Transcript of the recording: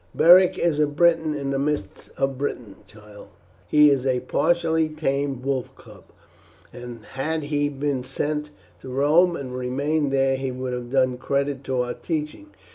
"Beric is a Briton in the midst of Britons, child. He is a partially tamed wolf cub, and had he been sent to Rome and remained there he would have done credit to our teaching.